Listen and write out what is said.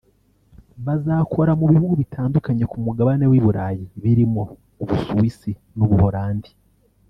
bazakora mu bihugu bitandukanye ku Mugabane w’i Burayi birimo u Busuwisi n’u Buholandi